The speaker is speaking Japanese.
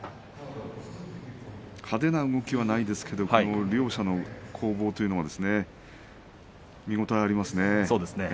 派手な動きはないですけど両者の攻防というのは見応えありますね。